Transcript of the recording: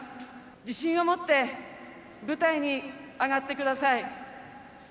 自信を持って舞台に上がってください。